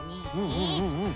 うんうんうんうん。